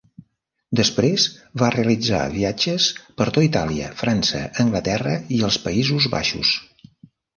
Després va realitzar viatges per tota Itàlia, França, Anglaterra i els Països Baixos.